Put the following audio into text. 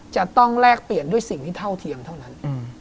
แลกเปลี่ยนด้วยสิ่งที่เท่าเทียมเท่านั้น